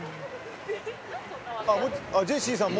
ジェシーさん